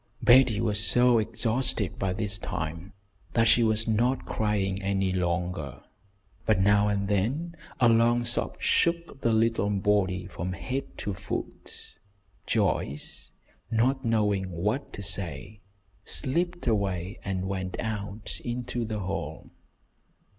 '" Betty was so exhausted by this time, that she was not crying any longer; but now and then a long sob shook the little body from head to foot. Joyce, not knowing what to say, slipped away and went out into the hall.